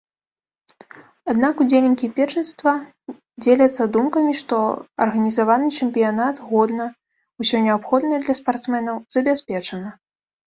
Аднак удзельнікі першынства дзеляцца думкамі, што арганізаваны чэмпіянат годна, усё неабходнае для спартсменаў забяспечана.